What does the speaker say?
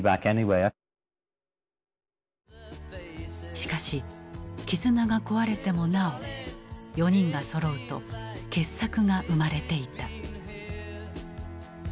しかし絆が壊れてもなお４人がそろうと傑作が生まれていた。